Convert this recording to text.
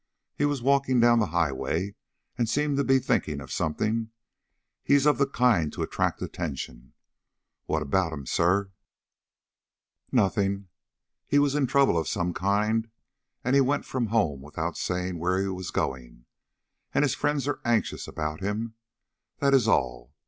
He was walking down the highway, and seemed to be thinking about something. He's of the kind to attract attention. What about him, sir?" "Nothing. He was in trouble of some kind, and he went from home without saying where he was going; and his friends are anxious about him, that is all.